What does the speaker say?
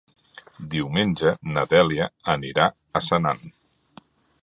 Diumenge na Dèlia anirà a Senan.